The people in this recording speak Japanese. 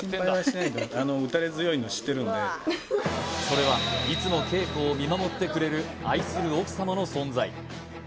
それはいつも稽古を見守ってくれる愛する奥様の存在